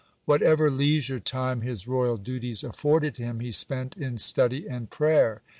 (79) Whatever leisure time his royal duties afforded him, he spent in study and prayer.